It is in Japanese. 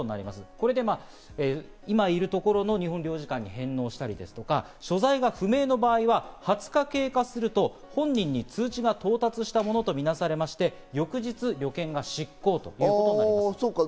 これで今いるところの日本領事館に返納したり、所在が不明の場合は２０日経過すると本人に通知が到達したものとみなされまして、翌日旅券が失効となります。